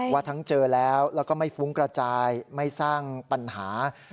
ว่าทั้งเจอแล้วแล้วก็ไม่ฟุ้งกระจายไม่สร้างปัญหา